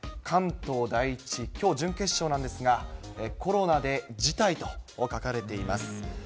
関東第一、きょう準決勝なんですが、コロナで辞退と書かれています。